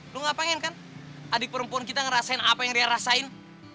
lu gak pengen kan adik perempuan kita ngerasain apa yang ria rasain